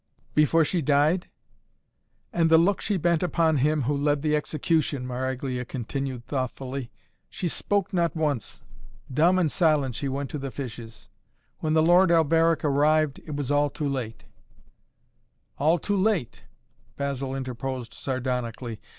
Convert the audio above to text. "Before she died?" "And the look she bent upon him who led the execution," Maraglia continued thoughtfully. "She spoke not once. Dumb and silent she went to the fishes. When the Lord Alberic arrived, it was all too late " "All too late!" Basil interposed sardonically.